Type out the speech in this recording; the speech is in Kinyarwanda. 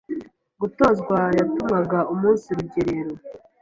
gutozwa yatumwaga umunsi rugerero”.